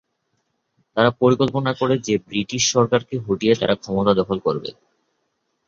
তারা পরিকল্পনা করে যে ব্রিটিশ সরকারকে হটিয়ে তারা ক্ষমতা দখল করবে।